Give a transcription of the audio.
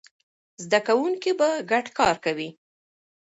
زده کوونکي به ګډ کار کوي.